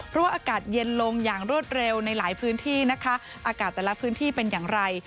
เพราะว่าอากาศเย็นลงอย่างรวดเร็วในหลายพื้นที่นะคะอากาศแต่ละพื้นที่เป็นอย่างไร